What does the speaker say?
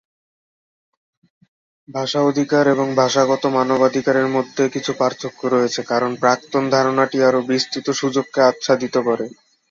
ভাষা অধিকার এবং ভাষাগত মানবাধিকারের মধ্যে কিছু পার্থক্য রয়েছে, কারণ প্রাক্তন ধারণাটি আরও বিস্তৃত সুযোগকে আচ্ছাদিত করে।